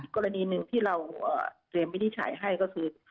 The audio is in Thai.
กรณีหนึ่งที่เราเตรียมวินิจฉัยให้ก็คือ